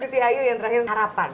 gusti hayu yang terakhir harapan